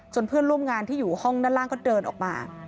เพื่อนร่วมงานที่อยู่ห้องด้านล่างก็เดินออกมา